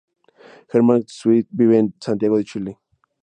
Hernán Schmidt vive en Santiago de Chile.